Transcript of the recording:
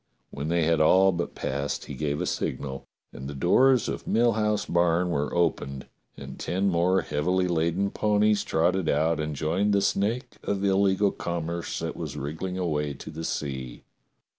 When they had all but passed he gave a signal, and the doors of Mill House barn were opened and ten more heavily laden ponies trotted out and joined the snake of illegal com merce that was wriggling away to the sea.